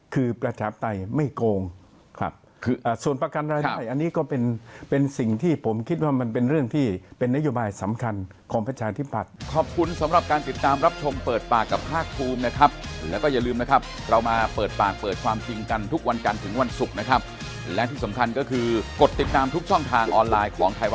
คือประชาธิปไตยไม่โกงครับคือส่วนประกันรายได้อันนี้ก็เป็นสิ่งที่ผมคิดว่ามันเป็นเรื่องที่เป็นนโยบายสำคัญของประชาธิปัตย์